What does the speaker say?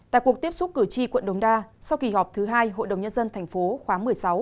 tại cuộc tiếp xúc cử tri quận đồng đa sau kỳ họp thứ hai hội đồng nhân dân thành phố khóa một mươi sáu